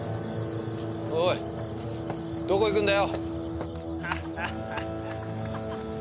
おいどこ行くんだよ？